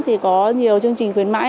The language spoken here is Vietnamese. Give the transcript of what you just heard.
thì có nhiều chương trình khuyến mại